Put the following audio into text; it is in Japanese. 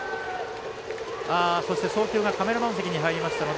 そして、送球がカメラマン席に入りましたので